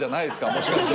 もしかして。